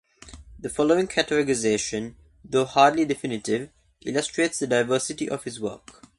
The following categorization, though hardly definitive, illustrates the diversity of his work.